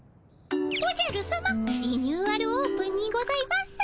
おじゃるさま「リニューアルオープン」にございます。